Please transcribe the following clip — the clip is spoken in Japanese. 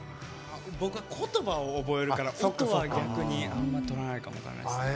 僕はことばを覚えるから音は逆にあんまとらないかも分からないですね。